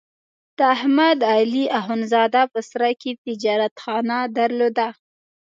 د احمد علي اخوندزاده په سرای کې تجارتخانه درلوده.